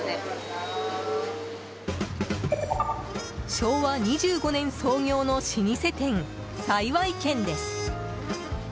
昭和２５年創業の老舗店幸軒です。